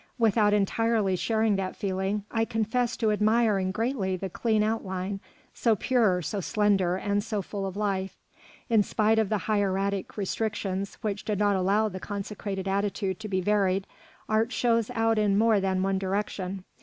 Without entirely sharing that feeling, I confess to admiring greatly the clean outline, so pure, so slender, and so full of life. In spite of the hieratic restrictions which did not allow the consecrated attitude to be varied, art shows out in more than one direction.